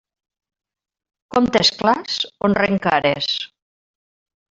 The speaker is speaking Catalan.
Comptes clars, honren cares.